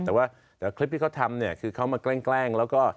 แต่ว่าคลิปที่เขาทำคือเขามาแกล้งแล้วก็